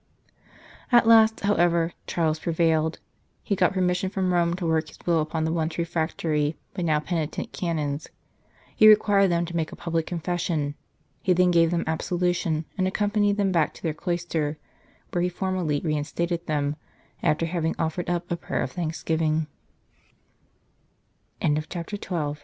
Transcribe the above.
At last, however, Charles prevailed ; he got permission from Rome to work his will upon the once refractory, but now penitent, Canons. He required them to make a public confession ; he then gave them absolution and accompanied them back to their cloister, where he formally reinstated them, after having